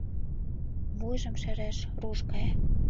Вуйжым шереш руш гае.